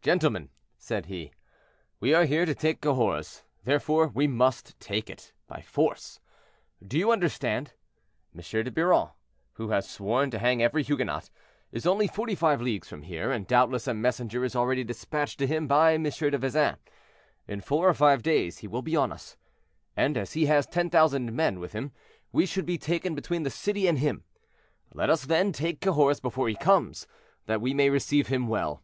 "Gentlemen," said he, "we are here to take Cahors; therefore we must take it—by force. Do you understand? M. de Biron, who has sworn to hang every Huguenot, is only forty five leagues from here, and doubtless a messenger is already dispatched to him by M. de Vezin. In four or five days he will be on us, and as he has 10,000 men with him, we should be taken between the city and him. Let us, then, take Cahors before he comes, that we may receive him well.